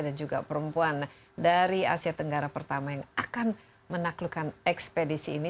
juga perempuan dari asia tenggara pertama yang akan menaklukkan ekspedisi ini